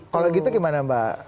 kalau gitu gimana mbak